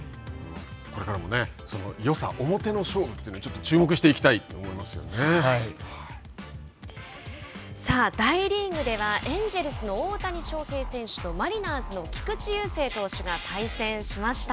これからもその良さ表の勝負というのを注目していきさあ大リーグではエンジェルスの大谷翔平選手と菊池雄星投手が対戦しました。